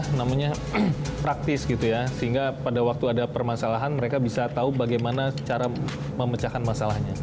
punya pengetahuan coding secara praktis gitu ya sehingga pada waktu ada permasalahan mereka bisa tahu bagaimana cara memecahkan masalahnya